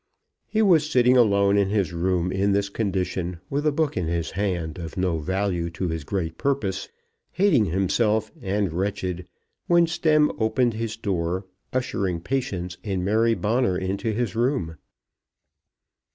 He was sitting alone in his room in this condition, with a book in his hand of no value to his great purpose, hating himself and wretched, when Stemm opened his door, ushering Patience and Mary Bonner into his room.